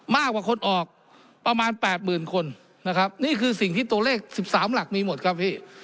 มากกว่าคนออกประมาณแปดหมื่นคนนะครับนี่คือสิ่งที่ตัวเลข๑๓หลักมีหมดครับพี่